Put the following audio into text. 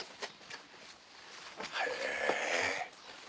へぇ。